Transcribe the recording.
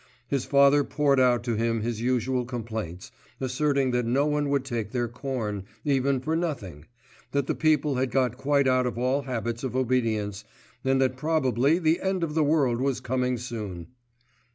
His father poured out to him his usual complaints, asserting that no one would take their corn, even for nothing, that the people had got quite out of all habits of obedience, and that probably the end of the world was coming soon.